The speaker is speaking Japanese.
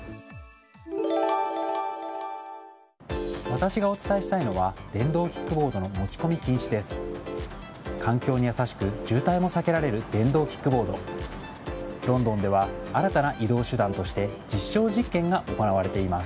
私がお伝えしたいのは電動キックボードの持ち込み禁止です。